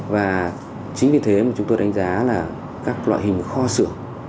và chính vì thế mà chúng tôi đánh giá là các loại hình kho xưởng